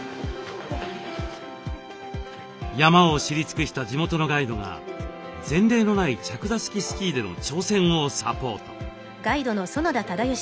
山を知り尽くした地元のガイドが前例のない着座式スキーでの挑戦をサポート。